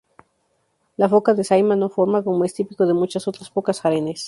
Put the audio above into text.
La foca de Saimaa no forma, como es típico de muchas otras focas, harenes.